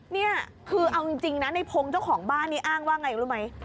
นี่คือเอาจริงนะในพงศ์เจ้าของบ้านนี้อ้างว่าไงรู้ไหม